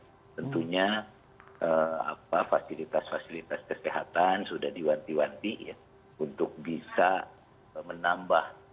tentunya fasilitas fasilitas kesehatan sudah diwanti wanti ya untuk bisa menambah